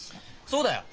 そうだよ。